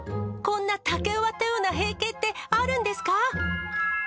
こんな竹を割ったような閉経ってあるんですか？